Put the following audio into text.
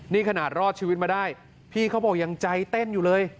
นี่ขนาดรอดชีวิตมาได้พี่เขาบอกยังใจเต้นอยู่เลย